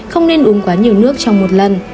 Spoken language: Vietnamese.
không nên uống quá nhiều nước trong một lần